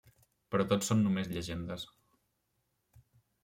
Però tot són només llegendes.